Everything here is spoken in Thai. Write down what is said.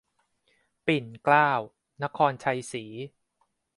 ปิ่นเกล้า นครชัยศรี